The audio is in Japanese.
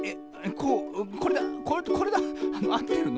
こうこれだこれだ。あってるの？